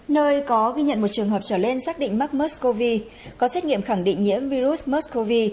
nơi có ghi nhận một trường hợp trở lên xác định mắc muscovy có xét nghiệm khẳng định nhiễm virus muscovy